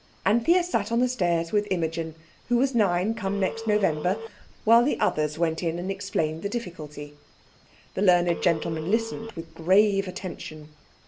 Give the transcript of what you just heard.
Anthea sat on the stairs with Imogen, who was nine come next November, while the others went in and explained the difficulty. The learned gentleman listened with grave attention.